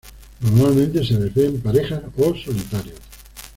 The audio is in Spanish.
Normalmente se les ve en parejas o solitarios.